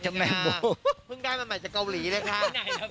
เพิ่งได้มาใหม่จากเกาหลีเลยค่ะ